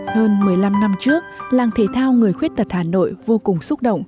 hơn một mươi năm năm trước làng thể thao người khuyết tật hà nội vô cùng xúc động